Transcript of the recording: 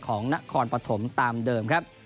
ของนครปฐมตามเดิมครับ